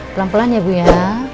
pelan pelan ya bu ya